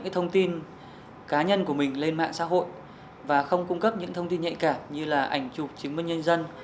thông tin cá nhân của mình lên mạng xã hội và không cung cấp những thông tin nhạy cảm như là ảnh chụp chứng minh nhân dân